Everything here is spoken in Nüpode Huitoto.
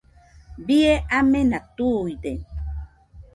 Bie amena tuide